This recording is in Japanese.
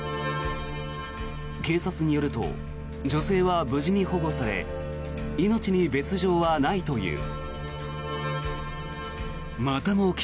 警察によると女性は無事に保護され命に別条はないという。